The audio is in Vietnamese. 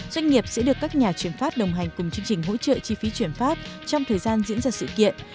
doanh nghiệp sẽ được các nhà chuyển pháp đồng hành cùng chương trình hỗ trợ chi phí chuyển pháp trong thời gian diễn ra sự kiện